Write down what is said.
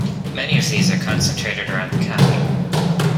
Many of these are concentrated around the capital.